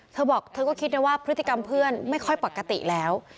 เธอบอกเธอก็คิดนะว่าพฤติกรรมเพื่อนไม่ค่อยปกติแล้ว